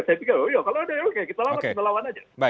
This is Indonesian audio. saya pikir oh ya kalau ada ya oke kita lawan kita lawan aja